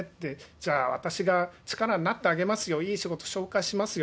じゃあ、私が力になってあげますよ、いい仕事紹介しますよ。